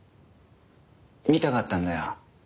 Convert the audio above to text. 見たかったんだよ